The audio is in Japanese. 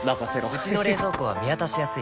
うちの冷蔵庫は見渡しやすい